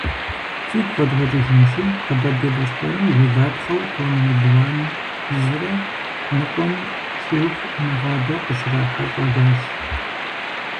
Фигу къэдгъэкӏыжынщи, Къэбэрдей-Балъкъэрым жылапхъэу тонн мелуан зырэ ныкъуэм щӏигъу нэгъабэ къыщрахьэлӏэжащ.